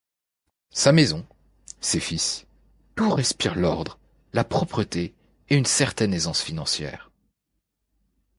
Sa maison, ses fils, tout respire l'ordre, la propreté et une certaine aisance financière.